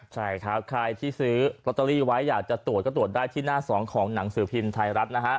ใช่ครับใครที่ซื้อลอตเตอรี่ไว้อยากจะตรวจก็ตรวจได้ที่หน้าสองของหนังสือพิมพ์ไทยรัฐนะฮะ